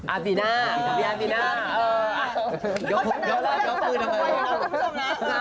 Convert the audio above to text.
อาร์ดบีน่าทีมอาร์ดบีน่าเออยกมือยกมือยกมือยกมือ